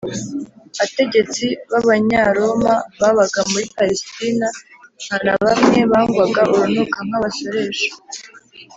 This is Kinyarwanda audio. ategetsi b’abanyaroma babaga muri palesitina, nta na bamwe bangwagwa urunuka nk’abasoresha